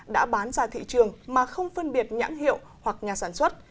đã bán ra thị trường mà không phân biệt nhãn hiệu hoặc nhà sản xuất